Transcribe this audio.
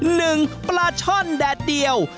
หนึ่งปลาช่อนแดดเดียว